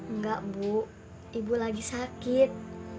enggak bu ibu lagi sakit